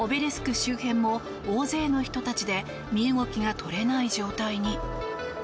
周辺も大勢の人たちで身動きが取れない状態に。